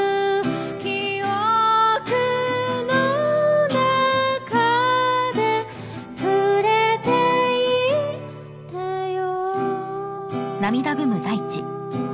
記憶の中でふれていてよ